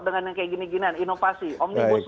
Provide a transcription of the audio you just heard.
dengan yang kayak gini ginian inovasi omnibus law